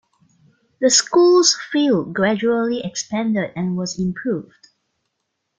The school's field gradually expanded and was improved.